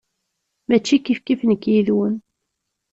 Mačči kifkif nekk yid-wen.